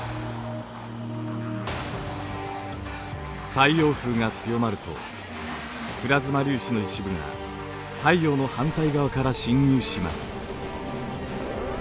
太陽風が強まるとプラズマ粒子の一部が太陽の反対側から侵入します。